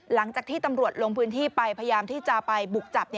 หลังจากที่ตำรวจลงพื้นที่ไปพยายามที่จะไปบุกจับ